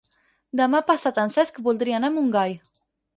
Demà passat en Cesc voldria anar a Montgai.